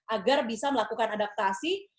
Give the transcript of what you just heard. agar bisa melakukan adaptasi